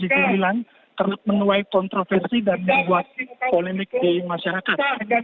dibilang terlalu menuai kontroversi dan dibuat polonik di masyarakat